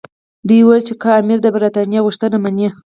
دوی ویل چې که امیر د برټانیې غوښتنې مني.